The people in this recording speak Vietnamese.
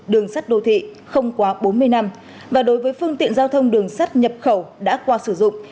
đường sắt đô thị không quá bốn mươi năm và đối với phương tiện giao thông đường sắt nhập khẩu đã qua sử dụng